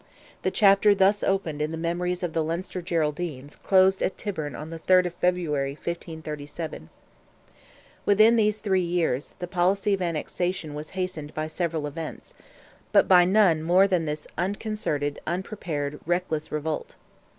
The chapter thus opened in the memoirs of the Leinster Geraldines closed at Tyburn on the 3rd of February, 1537. Within these three years, the policy of annexation was hastened by several events—but by none more than this unconcerted, unprepared, reckless revolt.